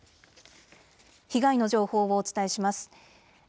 被害の情報をお伝えします。